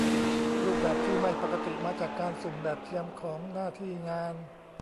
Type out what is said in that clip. รูปแบบที่ไม่ปกติมาจากการสุ่มแบบเทียมของหน้าที่งาน